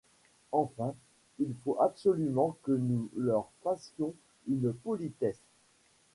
Enfin, il faut absolument que nous leur fassions une politesse.